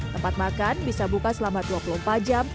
tempat makan bisa buka selama dua puluh empat jam